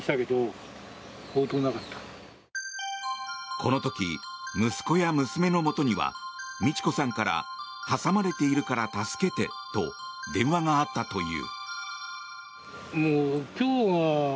この時息子や娘のもとには路子さんから挟まれているから助けてと電話があったという。